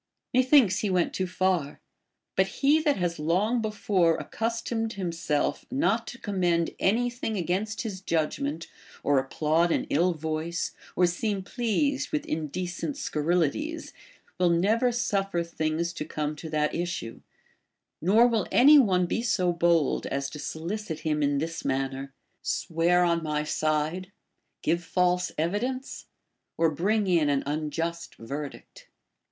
Methinks he Avent too far. But he that has long before accustomed himself not to commend any thing against his judgment, or applaud an ill voice, or seem pleased with indecent scurrilities, will never suffer things to come to that issue ; nor will any one be so bold BASHFULNESS. 67 as to solicit him in this manner: Swear on my side, give false evidence, or bring in an unjust verdict.